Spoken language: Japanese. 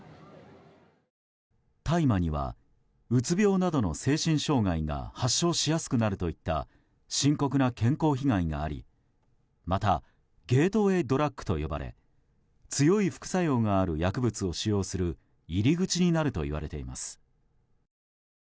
大麻にはうつ病などの精神障害が発症しやすくなるといった深刻な健康被害がありまたゲートウェイドラッグと呼ばれ強い副作用がある薬物を使用する入り口になるといわれています。